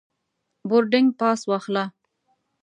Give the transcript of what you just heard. بوردینګ پاس واخله.